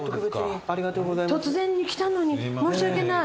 突然に来たのに申し訳ない。